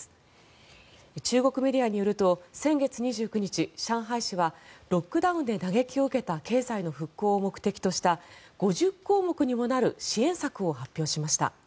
中国メディアによると先月２９日上海市はロックダウンで打撃を受けた経済の復興を目的とした５０項目にもなる支援策を発表しました。